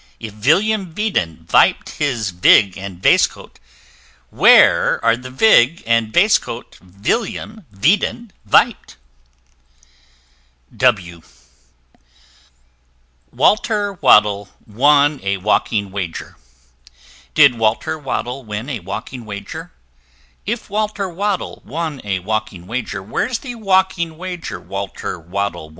If Villiam Veedon vip'd his Vig and Vaistcoat, Where are the Vig and Vaistcoat Villiam Veedon vip'd? W w [Illustration: Walter Waddle] Walter Waddle won a Walking Wager: Did Walter Waddle win a Walking Wager? If Walter Waddle won a Walking Wager, Where's the Walking Wager Walter Waddle won?